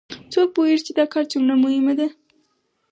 څوک پوهیږي چې دا کار څومره مهم ده